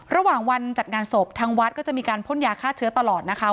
ระหว่างวันจัดงานศพทางวัดก็จะมีการพ่นยาฆ่าเชื้อตลอดนะคะ